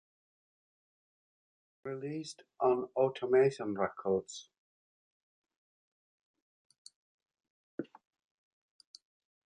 It was released on Automation Records.